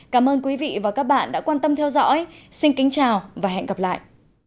cảm ơn quý vị và các bạn đã quan tâm theo dõi xin kính chào và hẹn gặp lại